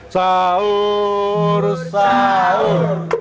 sahur sahur sahur sahur